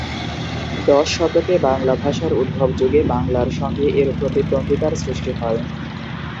দশ শতকে বাংলা ভাষার উদ্ভবযুগে বাংলার সঙ্গে এর প্রতিদ্বন্দ্বিতার সৃষ্টি হয়।